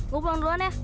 gue pulang duluan ya